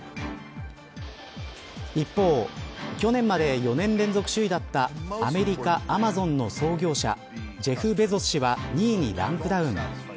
一方、去年まで４年連続首位だったアメリカアマゾンの創業者ジェフ・ベゾス氏は２位にランクダウン。